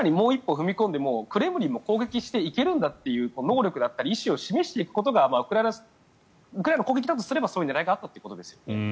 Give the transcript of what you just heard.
踏み込んでクレムリンも攻撃していけるんだっていう能力だったり意思を示していくことがウクライナの攻撃だったとしたらそういう狙いがあったということですよね。